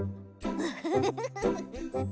フフフフ。